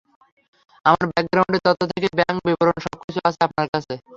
আমার ব্যাকগ্রাউন্ডের তথ্য থেকে ব্যাংক বিবরণ সবকিছু আছে আপনাদের কাছে।